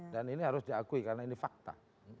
dan ini harus diakui karena ini fakta